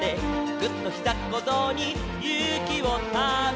「ぐっ！とひざっこぞうにゆうきをため」